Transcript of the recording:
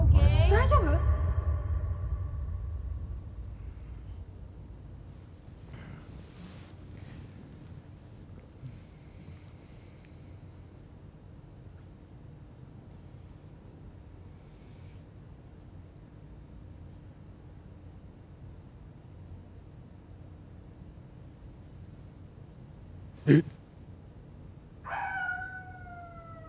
大丈夫？えっ！？